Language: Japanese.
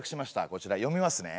こちら読みますね。